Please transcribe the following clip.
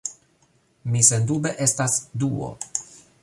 Mi sendube estas Duo!